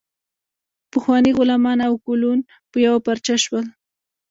پخواني غلامان او کولون په یوه پارچه شول.